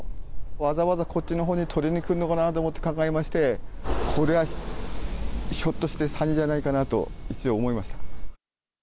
わざわざこっちのほうに取りに来るのかなって考えまして、これは、ひょっとして詐欺じゃないかなと、一応思いました。